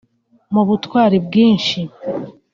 Mu butwari bwinshi